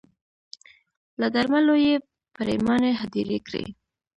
له درملو یې پرېماني هدیرې کړې